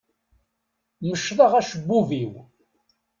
Mecḍeɣ acebbub-iw.